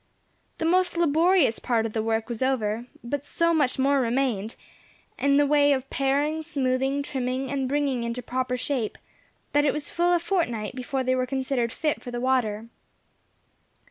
The most laborious part of the work was over, but so much more remained, in the way of paring, smoothing, trimming, and bringing into proper shape, that it was full a fortnight before they were considered fit for the water.